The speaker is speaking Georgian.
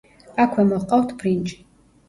აქვე მოჰყავთ ბრინჯი.